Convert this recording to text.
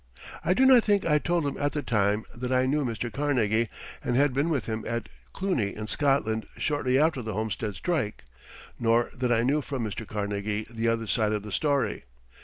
I do not think I told him at the time that I knew Mr. Carnegie and had been with him at Cluny in Scotland shortly after the Homestead strike, nor that I knew from Mr. Carnegie the other side of the story.